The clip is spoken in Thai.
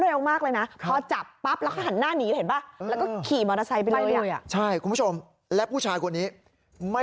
ได้ยิงมากเลยนะพอจับปั๊บก็หันหน้านี